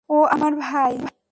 ও আমার ভাই।